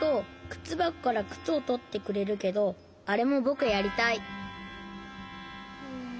くつばこからくつをとってくれるけどあれもぼくやりたい。